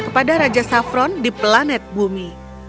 kepada raja safron di planet bumi